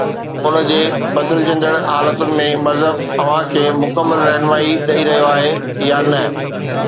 ان جي بدلجندڙ حالتن ۾ مذهب اوهان کي مڪمل رهنمائي ڏئي رهيو آهي يا نه؟